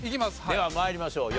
では参りましょう。